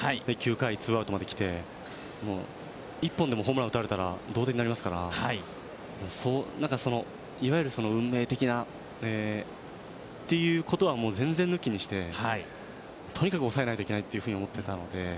９回ツーアウトまで来て１本でもホームラン打たれたら同点ですから、いわゆる運命的なということは全然抜きにしてとにかく抑えないといけないというふうに思っていたので。